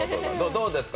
どうですか？